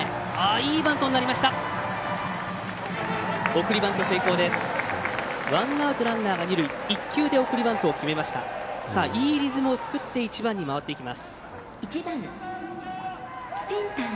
いいリズムを作って１番に回っていきます。